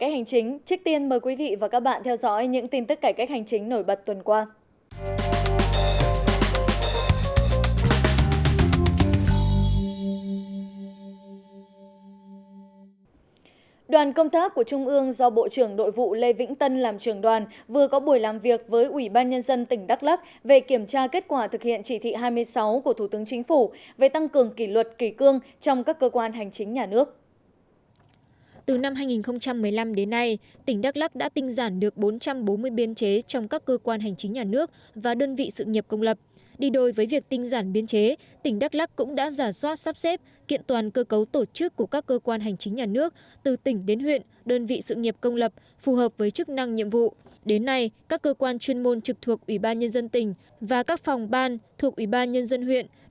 hãy đăng ký kênh để ủng hộ kênh của chúng mình nhé